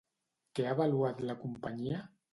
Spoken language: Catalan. Què ha avaluat la companyia?